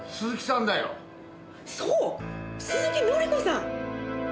そう鈴木紀子さん。